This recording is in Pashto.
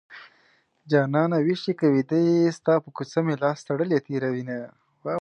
جانانه ويښ يې که ويده يې ستا په کوڅه مې لاس تړلی تېروينه